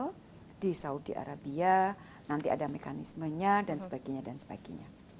kalau di saudi arabia nanti ada mekanismenya dan sebagainya dan sebagainya